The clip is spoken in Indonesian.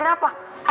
iya aku sedih tau